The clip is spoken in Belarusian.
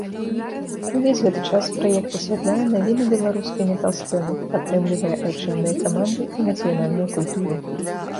Увесь гэты час праект асвятляе навіны беларускай метал-сцэны, падтрымлівае айчынныя каманды і нацыянальную культуру.